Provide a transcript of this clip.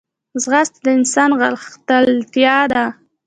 ځغاسته د ځان غښتلتیا ده